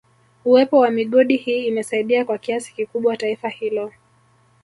Uwepo wa migodi hii imesaidia kwa kiasi kikubwa taifa hilo